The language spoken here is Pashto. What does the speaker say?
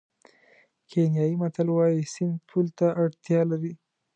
کینیايي متل وایي سیند پل ته اړتیا لري.